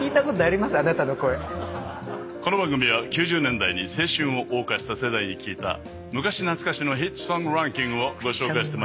この番組は９０年代に青春を謳歌した世代に聞いた昔懐かしのヒットソングランキングをご紹介してまいります。